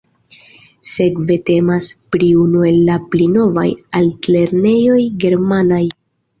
Sekve temas pri unu el la pli novaj altlernejoj germanaj.